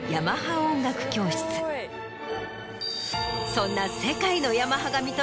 そんな。